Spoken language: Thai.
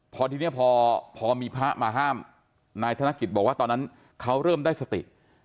พอทีนี้พอมีพระมาห้ามนายธนกิจบอกว่าตอนนั้นเขาเริ่มได้สติ